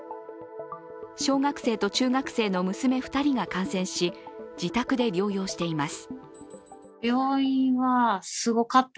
小学生と中学生の娘２人が感染し自宅で療養しています。